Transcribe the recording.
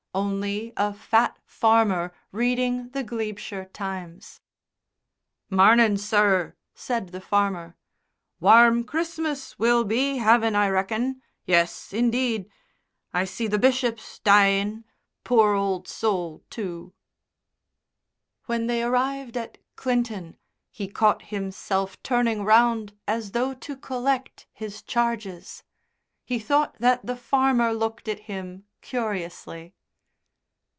Only a fat farmer reading The Glebeshire Times. "Marnin', sir," said the farmer. "Warm Christmas we'll be havin', I reckon. Yes, indeed. I see the Bishop's dying poor old soul too." When they arrived at Clinton he caught himself turning round as though to collect his charges; he thought that the farmer looked at him curiously.